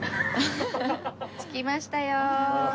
着きましたよ。